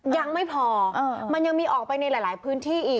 ยังไม่พอมันยังมีออกไปในหลายพื้นที่อีก